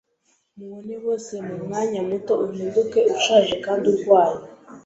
mubone bose mumwanya muto uhinduke ushaje kandi urwaye.